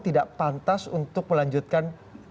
tidak pantas untuk melanjutkan